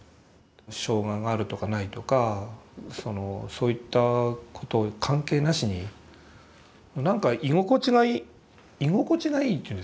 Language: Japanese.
障害があるとかないとかそういったことを関係なしになんか居心地がいい居心地がいいというんですかね。